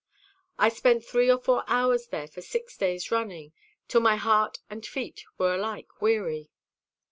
I spent three or four hours there for six days running, till my heart and my feet were alike weary.